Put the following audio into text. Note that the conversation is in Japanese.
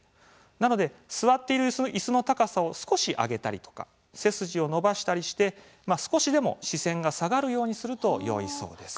なので座っているいすの高さを少し上げたりとか背筋を伸ばしたりして少しでも視線が下がるようにするとよいそうです。